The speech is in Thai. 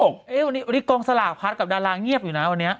วันนี้กองสลากพัดกับดาราเงียบอยู่นะวันนี้